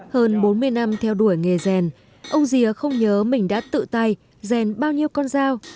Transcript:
hơn bốn mươi năm theo đuổi nghề rèn ông rìa không nhớ mình đã tự tay rèn bao nhiêu con dao